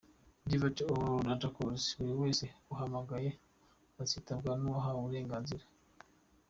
Divert all data calls : buri wese uguhamagaye azitabwe n’uwo wahaye uburenganzira.